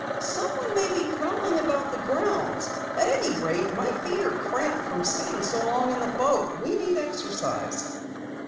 "Someone may be prowling about the grounds! At any rate, my feet are cramped from sitting so long in the boat. We need exercise."